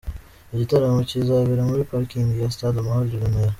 Iki gitaramo kizabera muri parikingi ya Stade Amahoro i Remera.